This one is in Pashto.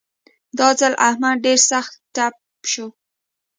دا ځل احمد ډېر سخت تپ شو.